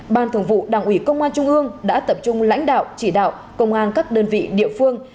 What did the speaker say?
ban thường vụ đảng ủy công an trung ương đã tập trung lãnh đạo chỉ đạo công an các đơn vị địa phương